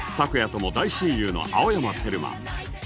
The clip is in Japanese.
とも大親友の青山テルマ